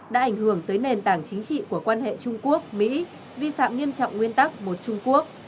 đã ảnh hưởng tới nền tảng chính trị của quan hệ trung quốc mỹ vi phạm nghiêm trọng nguyên tắc một trung quốc